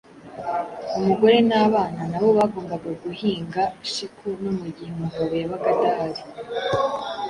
Umugore n'abana nabo bagombaga guhinga shiku no mu gihe umugabo yabaga adahari